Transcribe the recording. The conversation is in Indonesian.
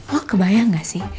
lo kebayang gak sih